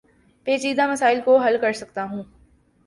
پیچیدہ مسائل کو حل کر سکتا ہوں